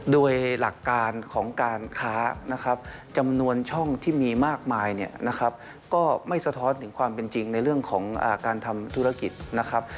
โดยหลักการของการค้านะครับ